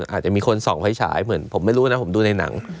อาจจะมีคนส่องไฟฉายเหมือนผมไม่รู้นะผมดูในหนัง